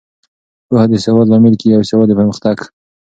پوهه د سواد لامل کیږي او سواد د پرمختګ.